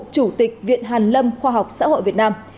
chủ tịch viện hàn lâm khoa học xã hội việt nam